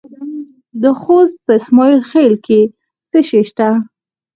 د خوست په اسماعیل خیل کې څه شی شته؟